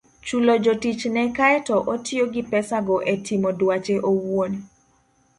chulo jotichne kae to otiyo gi pesago e timo dwache owuon.